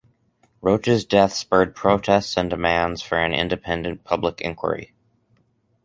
Roach's death spurred protests and demands for an independent public inquiry.